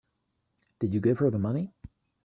Did you give her the money?